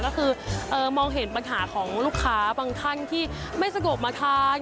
ก็คือมองเห็นปัญหาของลูกค้าบางท่านที่ไม่สงบมาทาน